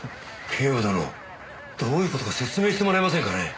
警部殿どういう事か説明してもらえませんかね。